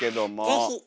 ぜひ！